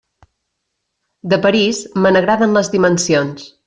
De París, me n'agraden les dimensions.